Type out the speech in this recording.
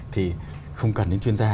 thì không cần đến chuyên gia